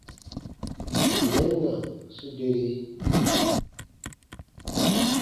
Ǹ n mɛn na, su deri.